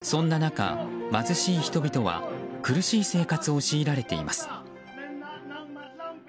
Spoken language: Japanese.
そんな中、貧しい人たちは苦しい生活を強いられています。